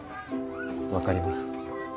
分かります。